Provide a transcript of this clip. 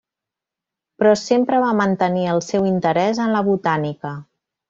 Però sempre va mantenir el seu interès en la botànica.